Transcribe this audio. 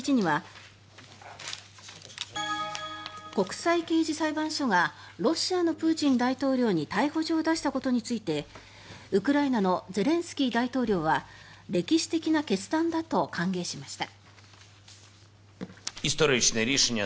国際刑事裁判所がロシアのプーチン大統領に逮捕状を出したことについてウクライナのゼレンスキー大統領は歴史的な決断だと歓迎しました。